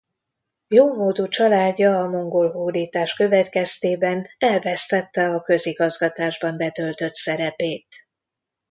Jómódú családja a mongol hódítás következtében elvesztette a közigazgatásban betöltött szerepét.